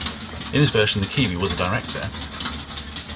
In this version, the Kiwi was a director.